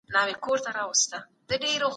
هغه هيوادونه چی اقتصادي وده لري هوسا دي.